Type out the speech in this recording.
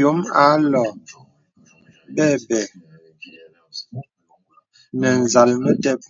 Yōm ālɔ̄ɔ̄ m̀bɛ̂bɛ̂ nə̀ zàl metep.